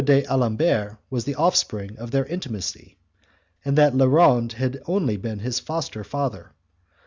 d'Alembert was the offspring of their intimacy, and that Le Rond had only been his foster father.